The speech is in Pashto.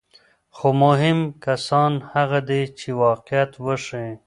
خو مهم کسان هغه دي چې واقعیت وښيي.